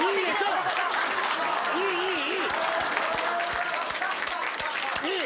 いいいいいい。いい。